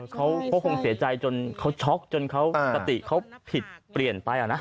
เขาคงเสียใจจนเขาช็อกจนเขาสติเขาผิดเปลี่ยนไปนะ